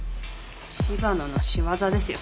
柴野の仕業ですよ。